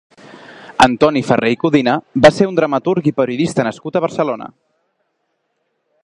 Antoni Ferrer i Codina va ser un dramaturg i periodista nascut a Barcelona.